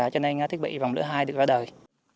cho nên thiết bị vòng lửa hai được ra đời